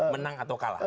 menang atau kalah